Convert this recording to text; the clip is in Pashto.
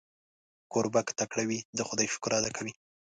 کوربه که تکړه وي، د خدای شکر ادا کوي.